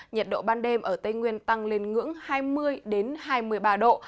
nhiệt độ ban đêm ở tây nguyên tăng lên ngưỡng hai mươi hai mươi ba độ